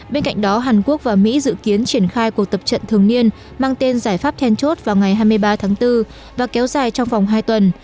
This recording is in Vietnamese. bên cạnh đó hàn quốc và mỹ dự kiến triển khai cuộc tập trận thường niên mang tên giải pháp then chốt vào ngày hai mươi ba tháng bốn và kéo dài trong vòng hai tuần